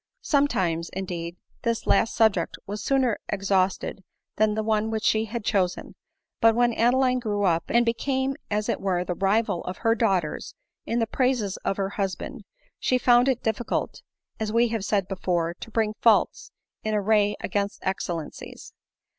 Sometimes, indeed, this last subject was sooner ex hausted than the one which she had chosen ; but when Adeline grew up, and became as it were the rival of her daughters in the praises of her husband, she found it difficult, as we have said before, to bring faults in array against excellencies.